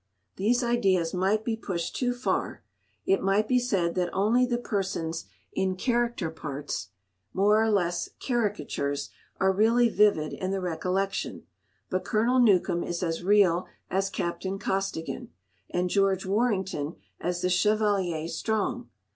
These ideas might be pushed too far; it might be said that only the persons in "character parts"—more or less caricatures—are really vivid in the recollection. But Colonel Newcome is as real as Captain Costigan, and George Warrington as the Chevalier Strong.